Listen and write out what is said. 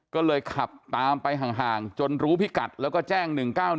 ก็เลยขับตามไปห่างจนรู้พิกัดแล้วก็แจ้ง๑๙๑